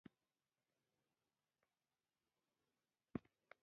په ټول کابل کې یو نفر پاتې نه شو.